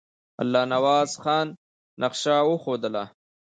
الله نواز خان نقشه وښودله.